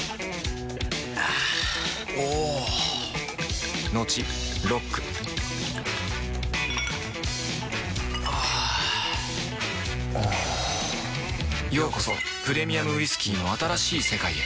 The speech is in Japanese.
あぁおぉトクトクあぁおぉようこそプレミアムウイスキーの新しい世界へ